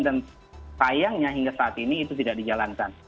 dan sayangnya hingga saat ini itu tidak dijalankan